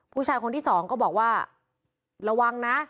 ผู้ชายคนที่สองก็บอกว่าระวังนะ